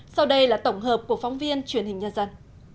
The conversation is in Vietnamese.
sau đây là tổng hợp của phóng viên truyền hình nhân dân